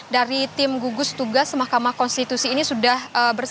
dari tim gugus tugas mk ini sudah bersebut